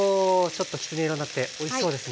ちょっときつね色になっておいしそうですね。